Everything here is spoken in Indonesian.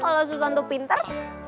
kalau susan tuh pinter